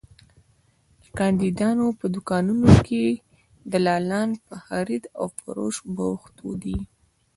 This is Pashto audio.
د کاندیدانو په دوکانونو کې دلالان په خرید او فروش بوخت دي.